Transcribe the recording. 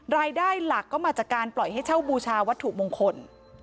รายได้หลักก็มาจากการปล่อยให้เช่าบูชาวัตถุมงคล